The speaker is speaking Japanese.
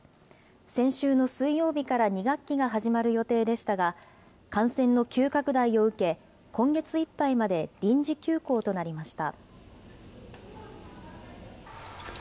先週の水曜日から２学期が始まる予定でしたが、感染の急拡大を受け、今月いっぱいまで臨時休校となりました。